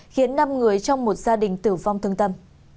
khiến năm người trong một gia đình tử vong thương tâm